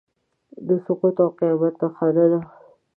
د سقوط او قیامت نښانه ده.